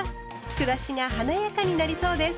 暮らしが華やかになりそうです。